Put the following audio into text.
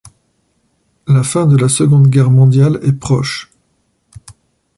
La fin de la Seconde Guerre mondiale est proche.